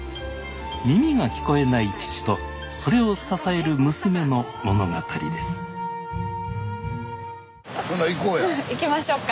耳が聞こえない父とそれを支える娘の物語です行きましょうか。